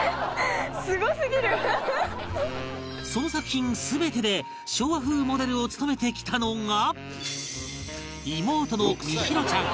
その作品全てで昭和風モデルを務めてきたのが